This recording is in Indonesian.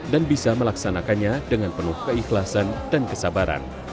dan bisa melaksanakannya dengan penuh keikhlasan dan kesabaran